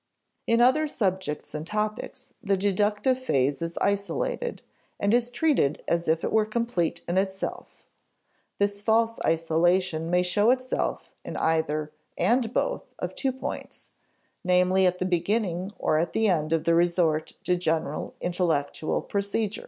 In other subjects and topics, the deductive phase is isolated, and is treated as if it were complete in itself. This false isolation may show itself in either (and both) of two points; namely, at the beginning or at the end of the resort to general intellectual procedure.